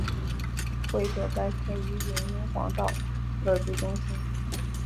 会所在鲗鱼涌英皇道乐基中心。